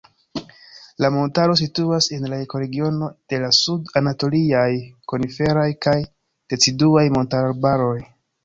La montaro situas en la ekoregiono de la sud-anatoliaj koniferaj kaj deciduaj montarbaroj.